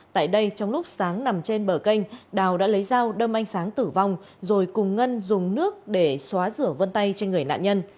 tại đây trong lúc sáng nằm trên bờ kênh đào đã lấy dao đâm anh sáng tử vong rồi cùng ngân dùng nước để xóa rửa vân tay trên người nạn nhân